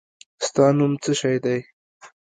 ستا نوم څه دی ؟